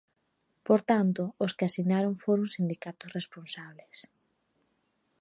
Por tanto, os que o asinaron foron sindicatos responsables.